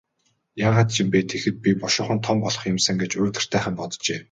Яагаад ч юм бэ, тэгэхэд би бушуухан том болох юм сан гэж уйтгартайхан боджээ.